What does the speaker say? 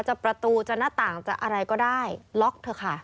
ประตูจะหน้าต่างจะอะไรก็ได้ล็อกเถอะค่ะ